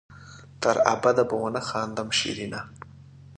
تر ابده به ونه خاندم شېرينه